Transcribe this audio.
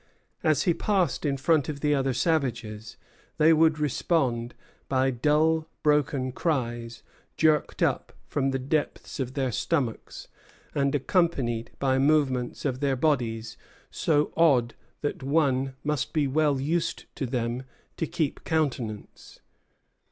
As he passed in front of the other savages, they would respond by dull broken cries jerked up from the depths of their stomachs, and accompanied by movements of their bodies so odd that one must be well used to them to keep countenance.